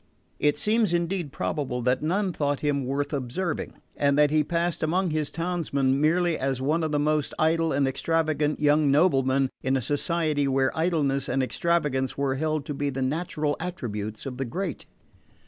It seems indeed probable that none thought him worth observing and that he passed among his townsmen merely as one of the most idle and extravagant young noblemen in a society where idleness and extravagance were held to be the natural attributes of the great.